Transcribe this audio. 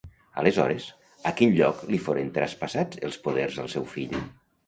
Aleshores, a quin lloc li foren traspassats els poders al seu fill?